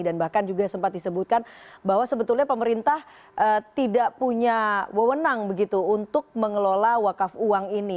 dan bahkan juga sempat disebutkan bahwa sebetulnya pemerintah tidak punya wewenang begitu untuk mengelola wakaf uang ini